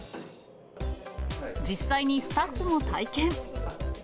実際にスタッフも体験。